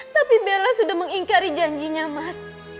tapi bella sudah mengingkari janjinya mas